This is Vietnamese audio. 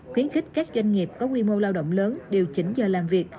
khuyến khích các doanh nghiệp có quy mô lao động lớn điều chỉnh giờ làm việc